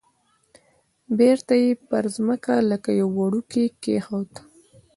بیرته یې پر مځکه لکه یو وړوکی کېښود.